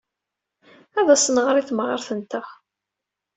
Ad as-nɣer i temɣart-nteɣ.